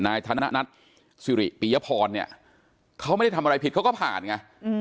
นายธนัทสิริปิยพรเนี่ยเขาไม่ได้ทำอะไรผิดเขาก็ผ่านไง